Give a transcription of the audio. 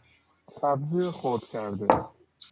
سبزی خرد کرده